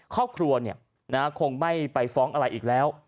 ครอบครัวคงไม่ไปฟ้องอะไรอีกแล้ว